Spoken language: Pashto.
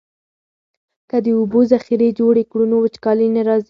که د اوبو ذخیرې جوړې کړو نو وچکالي نه راځي.